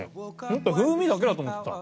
もっと風味だけだと思ってた。